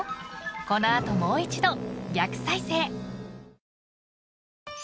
この後もう一度逆再生］